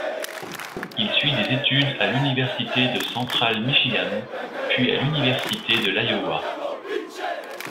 Il suit des études à l'Université de Central Michigan puis à l'Université de l'Iowa.